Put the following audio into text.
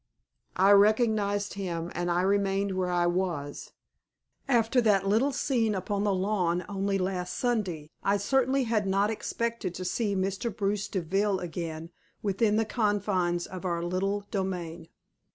I recognized him, and I remained where I was. After that little scene upon the lawn only last Sunday I certainly had not expected to see Mr. Bruce Deville again within the confines of our little demesne.